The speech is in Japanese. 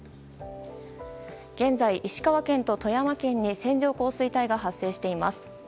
現在、石川県と富山県に線状降水帯が発生しています。